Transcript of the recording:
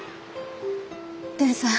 伝さん